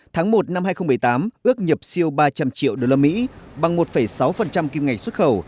tháng một năm hai nghìn một mươi tám ước nhập siêu ba trăm linh triệu đô la mỹ bằng một sáu kim ngạch xuất khẩu